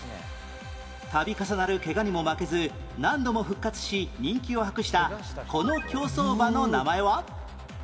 度重なるケガにも負けず何度も復活し人気を博したこの競走馬の名前は？